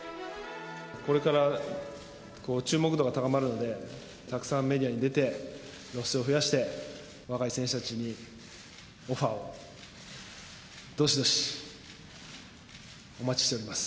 これから注目度が高まるので、たくさんメディアに出て、露出を増やして、若い選手たちにオファーを、どしどしお待ちしております。